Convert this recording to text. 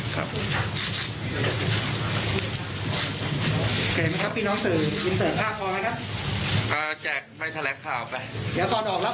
เดี๋ยวก่อนออกแล้วไปประจำกันได้เลยนะครับ